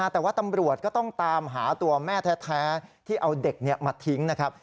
แต่ว่าตำรวจก็ต้องตามหาตัวแม่แท้ที่เอาเด็กมาทิ้งนะครับ